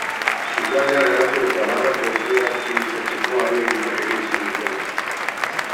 Sukaldea garatu eta barra kooperatibizatzeko ahaleginak egin zituzten.